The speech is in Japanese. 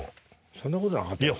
そんなことなかったですよ。